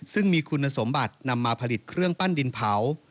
ซึ่งมีคุณสมบัตินำมาผลิตเครื่องปั้นดินเผา